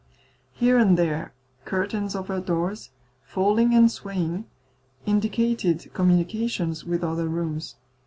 Here and there curtains over doors, falling and swaying, indicated communications with other rooms.